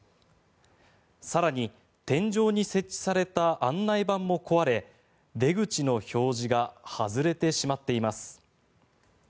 更に天井に設置された案内板も壊れ出口の表示が外れてしまっています。